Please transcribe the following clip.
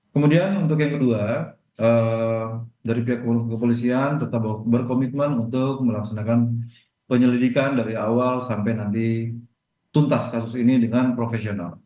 kemudian untuk yang kedua dari pihak kepolisian tetap berkomitmen untuk melaksanakan penyelidikan dari awal sampai nanti tuntas kasus ini dengan profesional